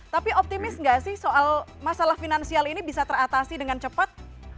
tapi optimis nggak sih soal masalah finansial ini bisa teratasi dengan cepat